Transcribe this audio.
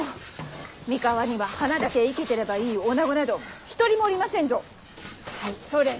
三河には花だけ生けてればいいおなごなど一人もおりませんぞ！